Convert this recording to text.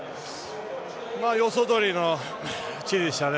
予想どおりのチームでしたね。